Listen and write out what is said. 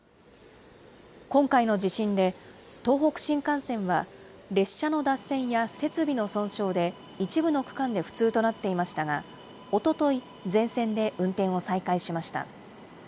今回の地震で東北新幹線は、列車の脱線や設備の損傷で一部の区間で不通となっていましたが、おととい、全線で運転を再開しました。